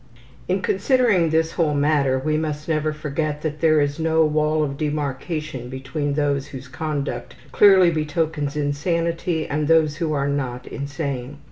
In considering this whole matter we must never forget that there is no wall of demarcation between those whose conduct clearly betokens insanity and those who are not insane.